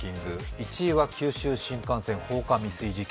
１位は九州新幹線放火未遂事件。